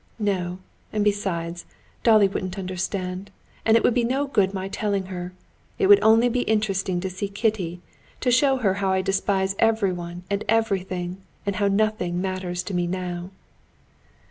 No; and besides, Dolly wouldn't understand. And it would be no good my telling her. It would only be interesting to see Kitty, to show her how I despise everyone and everything, how nothing matters to me now."